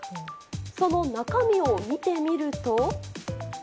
その中身を見てみると。